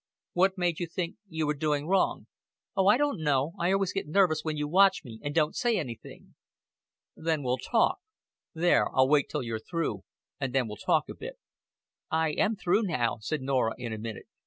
"What made you think you were doing wrong?" "Oh, I don't know. I always get nervous when you watch me and don't say anything." "Then we'll talk. There, I'll wait till you're through, and then we'll talk a bit." "I am through now," said Norah in a minute.